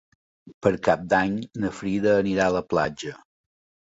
Per Cap d'Any na Frida anirà a la platja.